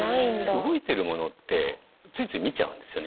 動いてるものってついつい見ちゃうんですよね。